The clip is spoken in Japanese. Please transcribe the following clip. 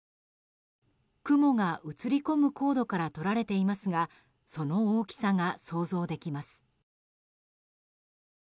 雲が映り込む高度から撮られていますがその大きさが想像できます。